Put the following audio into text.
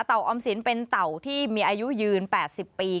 เต่าออมศิลป์เป็นเต่าที่มีอายุยืน๘๐ปี